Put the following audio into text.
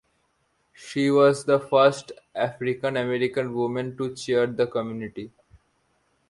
She was the first African-American woman to chair the committee.